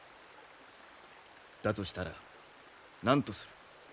だとしたら何とする？